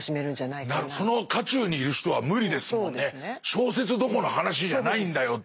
小説どころの話じゃないんだよっていう。